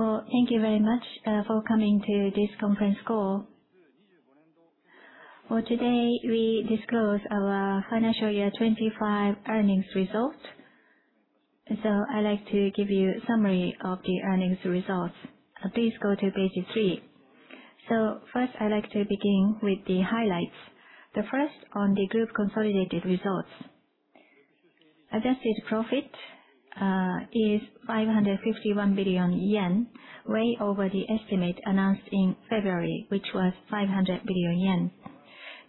Well, thank you very much for coming to this conference call. For today, we disclose our financial year 2025 earnings results. I'd like to give you a summary of the earnings results. Please go to Page 3. First, I'd like to begin with the highlights. The first on the group consolidated results. Adjusted profit is 551 billion yen, way over the estimate announced in February, which was 500 billion yen.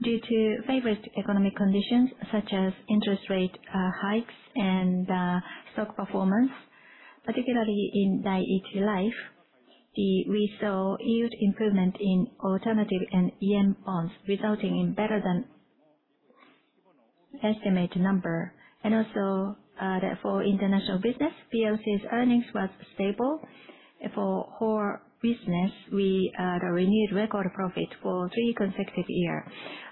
Due to favorite economic conditions such as interest rate hikes and stock performance, particularly in Dai-ichi Life, we saw huge improvement in alternative and yen bonds, resulting in better than estimate number. For international business, PLC's earnings was stable. For core business, we renewed record profit for three consecutive years.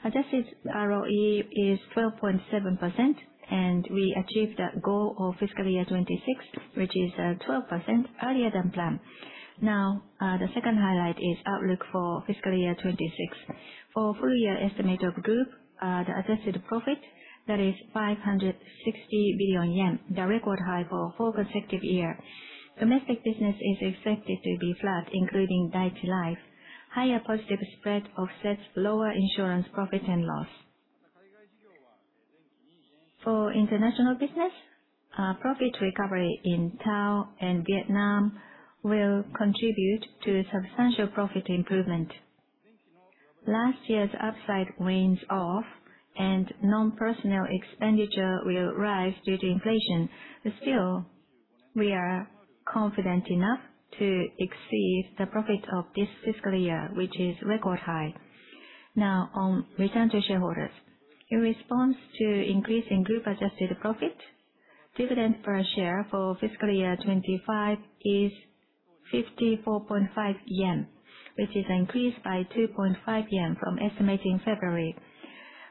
Adjusted ROE is 12.7%, and we achieved that goal of fiscal 2026, which is 12% earlier than planned. The second highlight is outlook for fiscal year 2026. For full year estimate of Group, the adjusted profit, that is 560 billion yen, the record high for four consecutive year. Domestic business is expected to be flat, including Dai-ichi Life. Higher positive spread offsets lower insurance profit and loss. For international business, profit recovery in TAL and Vietnam will contribute to substantial profit improvement. Last year's upside weaned off, non-personnel expenditure will rise due to inflation. Still, we are confident enough to exceed the profit of this fiscal year, which is record high. On return to shareholders. In response to increasing Group adjusted profit, dividend per share for fiscal year 2025 is 54.5 yen, which is increased by 2.5 yen from estimate in February.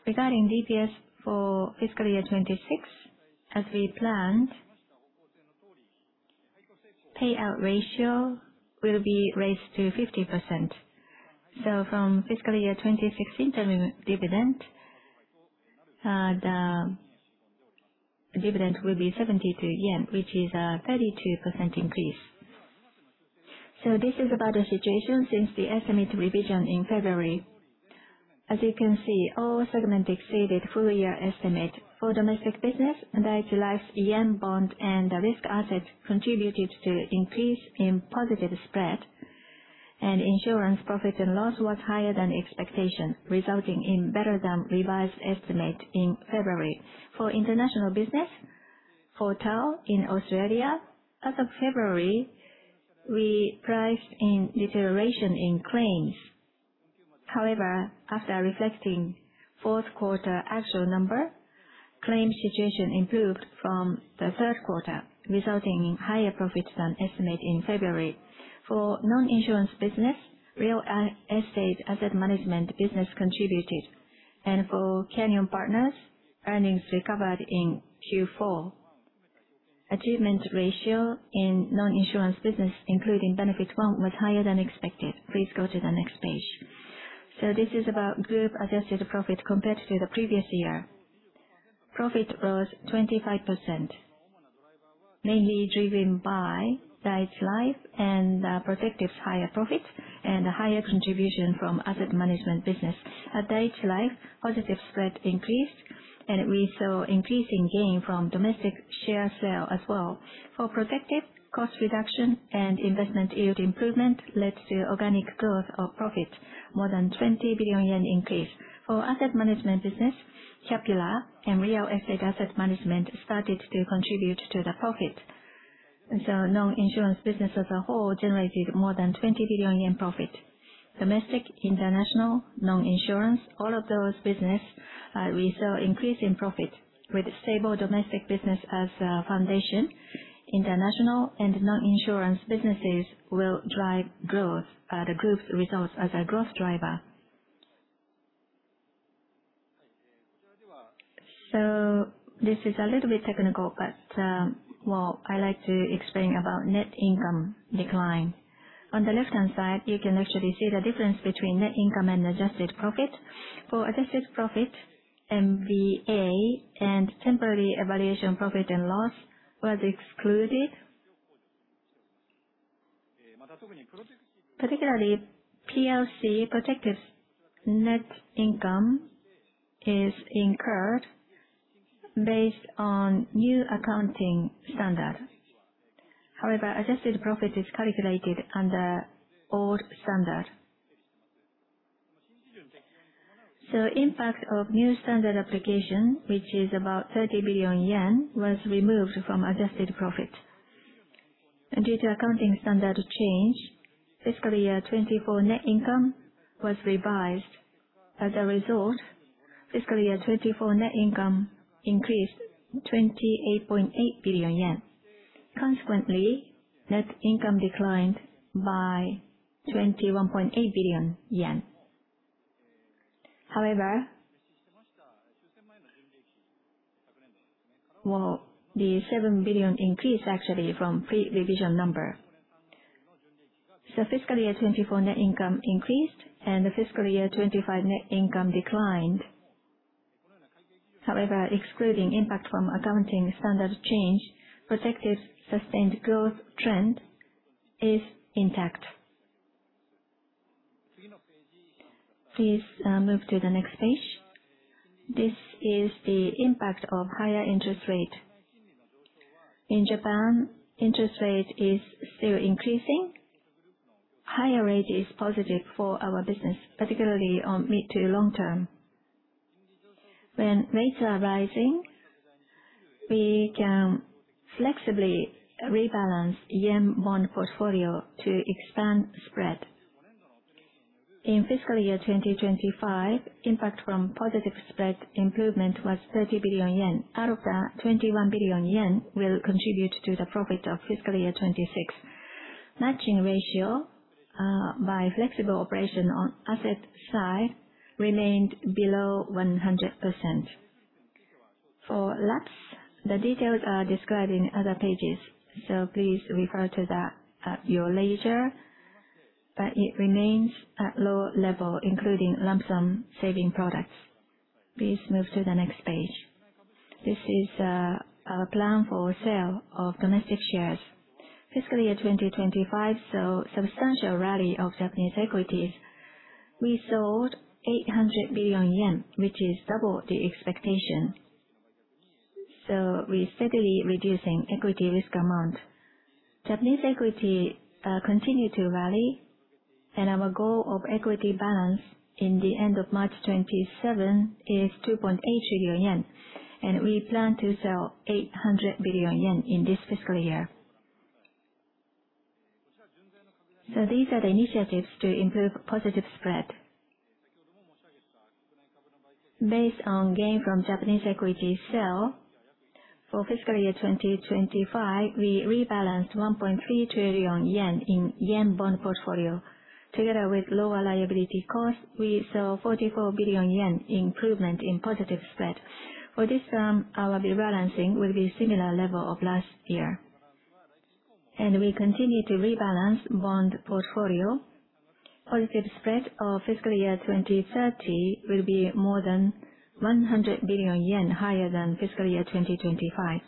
Regarding DPS for fiscal year 2026, as we planned, payout ratio will be raised to 50%. From FY 2026 dividend, the dividend will be 72 yen, which is a 32% increase. This is about the situation since the estimate revision in February. As you can see, all segment exceeded full year estimate. For domestic business, Dai-ichi Life's yen bond and the risk asset contributed to increase in positive spread, and insurance profit and loss was higher than expectation, resulting in better than revised estimate in February. For international business, for TAL in Australia, as of February, we priced in deterioration in claims. However, after reflecting fourth quarter actual number, claim situation improved from the third quarter, resulting in higher profits than estimate in February. For non-insurance business, real estate asset management business contributed, and for Canyon Partners, earnings recovered in Q4. Achievement ratio in non-insurance business, including Benefit One, was higher than expected. Please go to the next page. This is about group adjusted profit compared to the previous year. Profit growth 25%, mainly driven by Dai-ichi Life and Protective's higher profits and a higher contribution from asset management business. At Dai-ichi Life, positive spreads increased, and we saw increase in gain from domestic share sale as well. For Protective, cost reduction and investment yield improvement led to organic growth of profit, more than 20 billion yen increase. For asset management business, Capula and real estate asset management started to contribute to the profit. Non-insurance businesses as a whole generated more than 20 billion yen profit. Domestic, international, non-insurance, all of those business, we saw increase in profit. With stable domestic business as a foundation, international and non-insurance businesses will drive growth at the group's results as a growth driver. This is a little bit technical, but I'd like to explain about net income decline. On the left-hand side, you can actually see the difference between net income and adjusted profit. For adjusted profit, MVA and temporary valuation profit and loss was excluded. Particularly, Protective's net income is incurred based on new accounting standard. Adjusted profit is calculated under old standard. Impact of new standard application, which is about 30 billion yen, was removed from adjusted profit. Due to accounting standard change, fiscal year 2024 net income was revised. As a result, fiscal year 2024 net income increased 28.8 billion yen. Consequently, net income declined by 21.8 billion yen. The 7 billion increase actually from pre-revision number. Fiscal year 2024 net income increased, and the fiscal year 2025 net income declined. Excluding impact from accounting standard change, Protective's sustained growth trend is intact. Please move to the next page. This is the impact of higher interest rate. In Japan, interest rate is still increasing. Higher rate is positive for our business, particularly on mid to long term. When rates are rising, we can flexibly rebalance yen-bond portfolio to expand spread. In FY 2025, impact from positive spread improvement was 30 billion yen. Out of that, 21 billion yen will contribute to the profit of FY 2026. Matching ratio by flexible operation on asset side remained below 100%. For LAPS, the details are described in other pages, please refer to that at your leisure. It remains at low level, including lump sum saving products. Please move to the next page. This is our plan for sale of domestic shares. FY 2025, substantial rally of Japanese equities. We sold 800 billion yen, which is double the expectation. We're steadily reducing equity risk amount. Japanese equity continue to rally. Our goal of equity balance in the end of March 2027 is 2.8 trillion yen, and we plan to sell 800 billion yen in this fiscal year. These are the initiatives to improve positive spread. Based on gain from Japanese equity sale, for FY 2025, we rebalanced 1.3 trillion yen in yen bond portfolio. Together with lower liability cost, we saw 44 billion yen improvement in positive spread. For this term, our rebalancing will be similar level of last year. We continue to rebalance bond portfolio. Positive spread of FY 2030 will be more than 100 billion yen higher than FY 2025.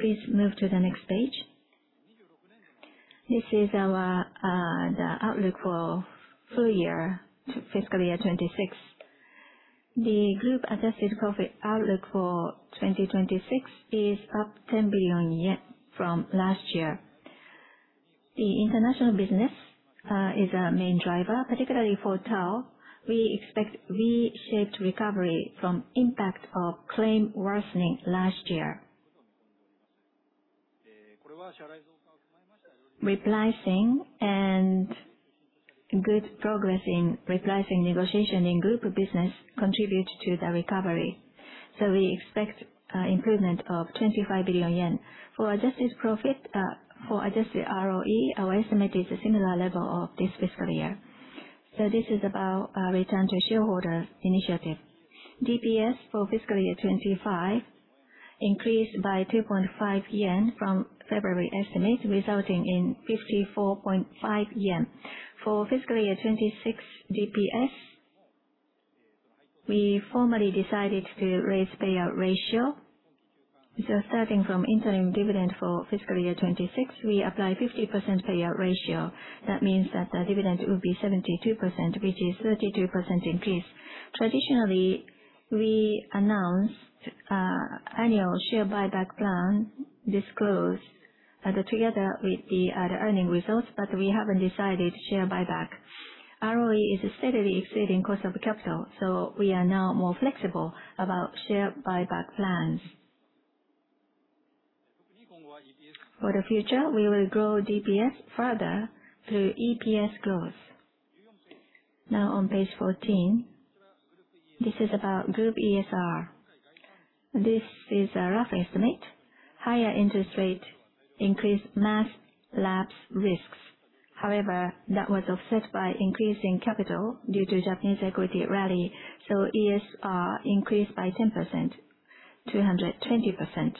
Please move to the next page. This is our outlook for full year FY 2026. The Group adjusted profit outlook for 2026 is up 10 billion yen from last year. The international business is a main driver, particularly for TAL. We expect V-shaped recovery from impact of claim worsening last year. Repricing and good progress in repricing negotiation in Group business contributes to the recovery. We expect improvement of 25 billion yen. For adjusted profit, for Adjusted ROE, our estimate is a similar level of this fiscal year. This is about our return to shareholder initiative. DPS for FY 2025 increased by 2.5 yen from February estimate, resulting in 54.5 yen. For FY 2026 DPS, we formally decided to raise payout ratio. Starting from interim dividend for FY 2026, we apply 50% payout ratio. That means that the dividend will be 72%, which is 32% increase. Traditionally, we announced annual share buyback plan disclose together with the earning results, but we haven't decided share buyback. ROE is steadily exceeding cost of capital, so we are now more flexible about share buyback plans. For the future, we will grow DPS further through EPS growth. Now on Page 14, this is about Group ESR. This is a rough estimate. Higher interest rate increased mass lapse risks. That was offset by increase in capital due to Japanese equity rally, so ESR increased by 10%, 220%.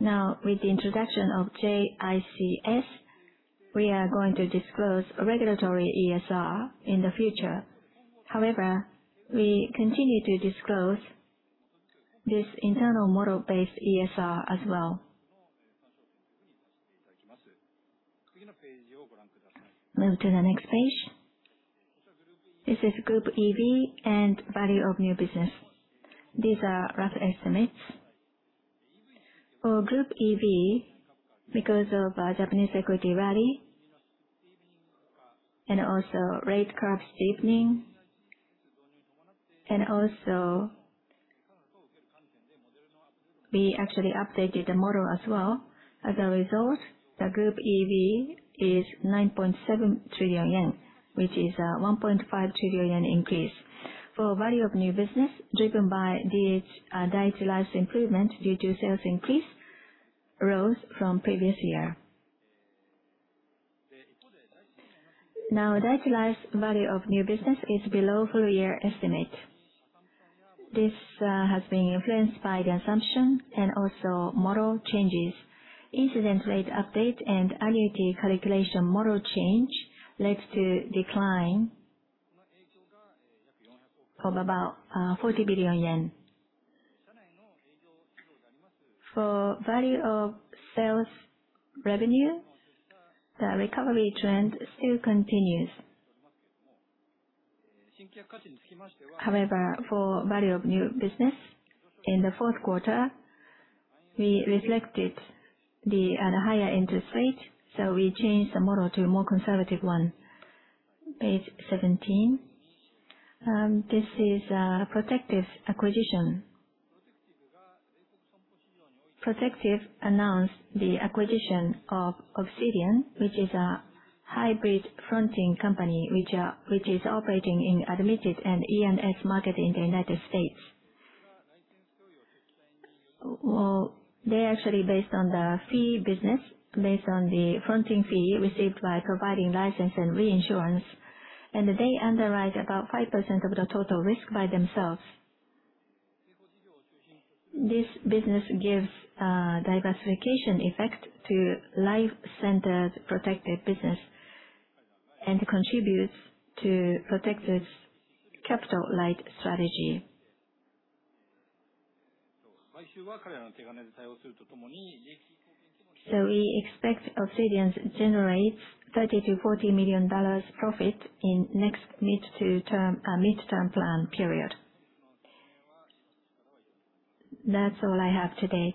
Now, with the introduction of J-ICS, we are going to disclose regulatory ESR in the future. We continue to disclose this internal model-based ESR as well. Move to the next page. This is Group EV and Value of New Business. These are rough estimates. For Group EV, because of Japanese equity rally and also rate curve steepening, and also we actually updated the model as well. As a result, the Group EV is 9.7 trillion yen, which is 1.5 trillion yen increase. For value of new business driven by Dai-ichi Life's improvement due to sales increase rose from previous year. Dai-ichi Life's value of new business is below full year estimate. This has been influenced by the assumption and also model changes. Incident rate update and annuity calculation model change led to decline of about JPY 40 billion. For value of sales revenue, the recovery trend still continues. For value of new business, in the fourth quarter, we reflected the higher interest rate, we changed the model to a more conservative one. Page 17. This is Protective's acquisition. Protective announced the acquisition of Obsidian, which is a hybrid fronting company which is operating in admitted and E&S market in the U.S. They actually based on the fee business, based on the fronting fee received by providing license and reinsurance, and they underwrite about 5% of the total risk by themselves. This business gives diversification effect to life-centered Protective business and contributes to Protective's capital-light strategy. We expect Obsidian to generate $30 million-$40 million profit in midterm plan period. That's all I have today.